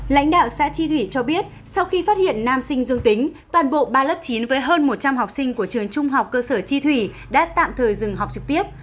lãnh đạo xã tri thủy cho biết sau khi phát hiện nam sinh dương tính toàn bộ ba lớp chín với hơn một trăm linh học sinh của trường trung học cơ sở chi thủy đã tạm thời dừng học trực tiếp